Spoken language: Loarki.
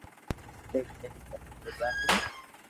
تعليم هڪ اهم اوزار آهي